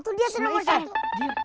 itu dia sih nomor satu